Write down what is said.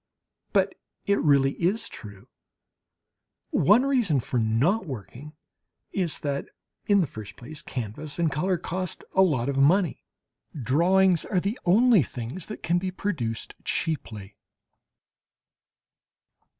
But it really is true. One reason for not working is that, in the first place, canvas and colour cost a lot of money. Drawings are the only things that can be produced cheaply.